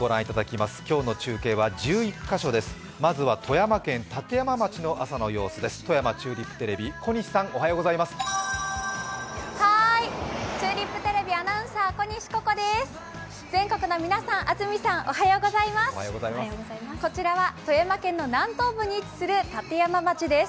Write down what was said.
まずは富山県立山町の中継カメラです。